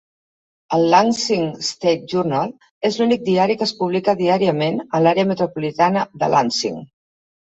El "Lansing State Journal" es l'únic diari que es publica diàriament a l'àrea metropolitana de Lansing.